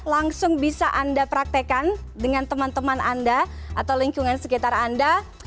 langsung bisa anda praktekkan dengan teman teman anda atau lingkungan sekitar anda